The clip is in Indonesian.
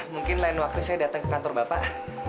mungkin lain waktu saya datang ke kantor bapak